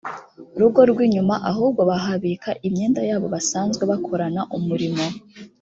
rugo rw inyuma ahubwo bahabika imyenda yabo basanzwe bakorana umurimo